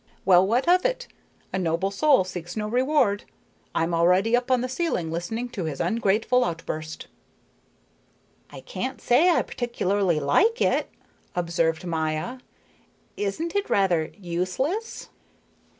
Well, what of it? A noble soul seeks no reward. I'm already up on the ceiling listening to his ungrateful outburst." "I can't say I particularly like it," observed Maya. "Isn't it rather useless?"